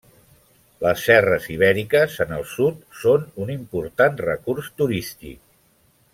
Les serres ibèriques, en el sud, són un important recurs turístic.